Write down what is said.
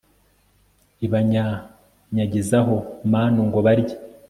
ibanyanyagizaho manu ngo barye